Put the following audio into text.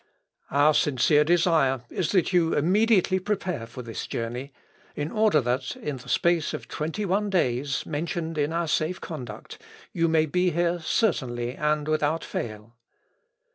Our sincere desire is that you immediately prepare for this journey, in order that, in the space of twenty one days mentioned in our safe conduct you may be here certainly, and without fail.